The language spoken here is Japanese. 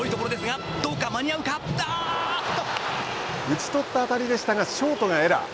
打ち取った当たりでしたがショートがエラー。